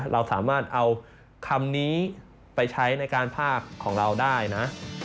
เราสามารถเอาคำนี้ไปใช้ในการพากของเราได้นะ